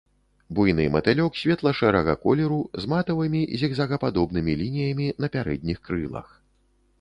Буйны матылёк светла-шэрага колеру з матавымі зігзагападобнымі лініямі на пярэдніх крылах.